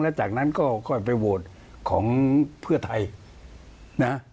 แล้วจากนั้นก็ค่อยไปโหวตของเพื่อไทยนะ